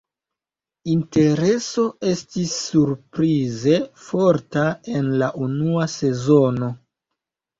Intereso estis surprize forta en la unua sezono.